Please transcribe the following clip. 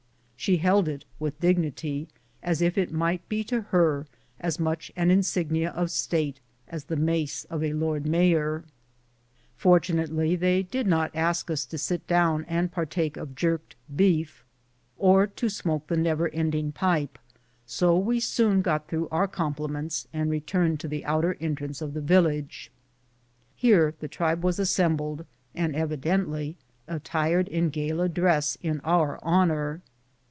She held it with dignity, as if it might be to her as much an insignia of state as the mace of the lord mayor. Fortunately they did not ask us to sit down and par take of jerked beef, or to smoke the never ending pipe, so we soon got through our compliments and returned to the outer entrance of the village. Here the tribe were assembled, and evidently attired in gala dress in our honor.